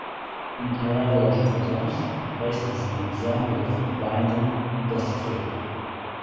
In rheological terms, a paste is an example of a Bingham plastic fluid.